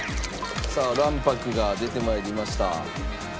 さあ卵白が出てまいりました。